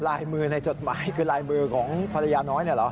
ลายมือในจดหมายคือลายมือของภรรยาน้อยเนี่ยเหรอ